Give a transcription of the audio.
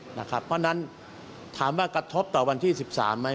เพราะฉะนั้นถามว่ากระทบต่อวันที่๑๓ไหม